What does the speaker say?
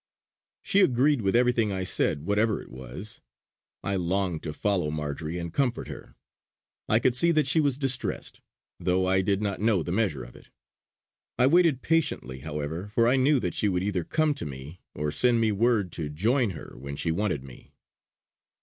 She agreed with everything I said, whatever it was. I longed to follow Marjory and comfort her. I could see that she was distressed, though I did not know the measure of it. I waited patiently, however, for I knew that she would either come to me, or send me word to join her when she wanted me.